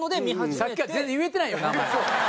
さっきから全然言えてないよ名前。